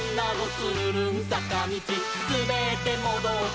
つるるんさかみち」「すべってもどって」